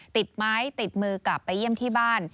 ติดไม้ติดมือกลับไปเยี่ยมที่บ้าน